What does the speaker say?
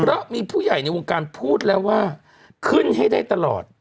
เพราะมีผู้ใหญ่ในวงการพูดแล้วว่าขึ้นให้ได้ตลอด